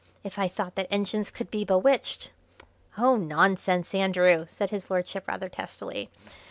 If I thought that engines could be bewitched " "Oh, nonsense, Andrew!" said his lordship rather testily.